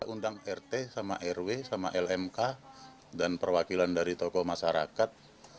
undang rt sama rw sama lmk dan perwakilan dari tokoh masyarakat